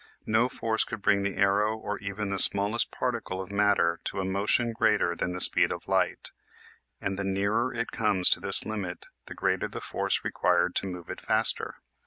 No force could bring the arrow or even the smallest particle of matter to a motion greater than the speed of light, and the nearer it comes to this limit the greater the force required, to move it faster.